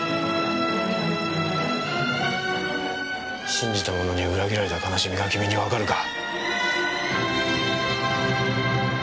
信じた者に裏切られた悲しみが君にわかるか？